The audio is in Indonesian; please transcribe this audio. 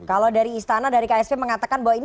kalau dari istana dari ksp mengatakan bahwa ini